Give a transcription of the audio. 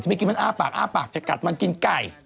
ไม่กินมันอ้าปากอ้าปากจะกัดมันกินไก่